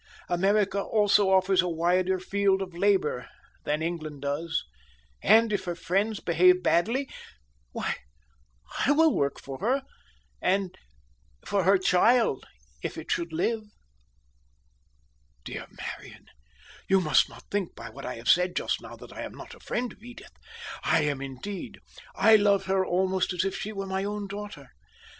America also offers a wider field for labor than England does, and if her friends behave badly, why I will work for her, and for her child if it should live." "Dear Marian, you must not think by what I said just now, that I am not a friend of Edith. I am, indeed. I love her almost as if she were my own daughter.